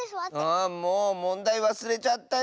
あもうもんだいわすれちゃったよ。